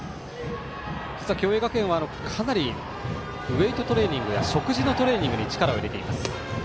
共栄学園はかなりウエイトトレーニングや食事のトレーニングに力を入れています。